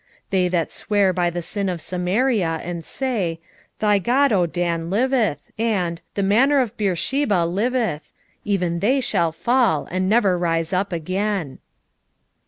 8:14 They that swear by the sin of Samaria, and say, Thy god, O Dan, liveth; and, The manner of Beersheba liveth; even they shall fall, and never rise up again.